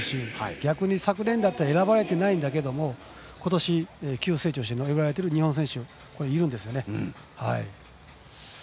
逆に昨年だったら選ばれてないんだけれども今年、急成長して選ばれた日本選手がいるんですね。